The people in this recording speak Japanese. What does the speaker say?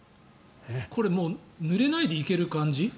これ、ぬれないで行ける感じ？